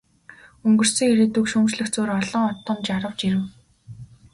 Өнгөрсөн ирээдүйг шүүмжлэх зуур олон одон жарав, жирэв.